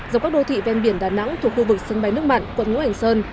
dòng các đô thị ven biển đà nẵng thuộc khu vực sân bay nước mặn quận ngoại hành sơn